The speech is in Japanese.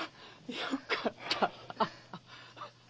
よかった。